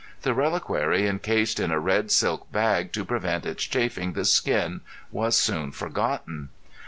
The reliquary encased in a red silk bag to prevent its chafing the skin was soon forgotten.